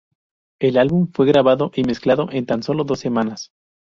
El álbum fue grabado y mezclado en tan solo dos semanas.